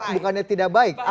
bukannya tidak baik